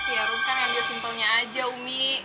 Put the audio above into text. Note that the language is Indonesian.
ya rom kan yang lebih simpelnya aja umi